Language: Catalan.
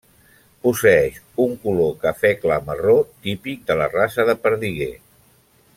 Posseeix un color cafè clar marró típic de la raça de perdiguer.